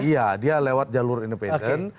iya dia lewat jalur independen